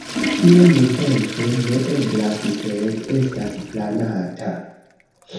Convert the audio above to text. Tio nuntempe ne eblas, sed estas planata.